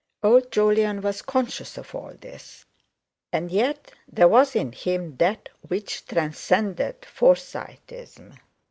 Old Jolyon was conscious of all this, and yet there was in him that which transcended Forsyteism.